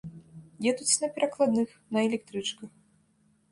Едуць на перакладных, на электрычках.